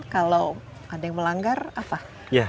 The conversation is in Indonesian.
kalau ada yang melanggar apa